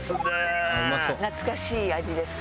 懐かしい味ですか？